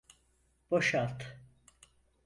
Boşalt!